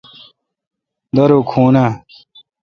دارو کھون اے°۔